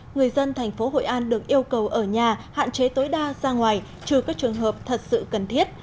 người dân thành phố hội an được yêu cầu ở nhà hạn chế tối đa ra ngoài trừ các trường hợp thật sự cần thiết